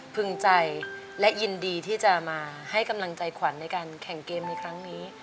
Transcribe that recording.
พึงใจและยินดีที่จะมาให้กำลังใจขวัญในการแข่งเกมในครั้งนี้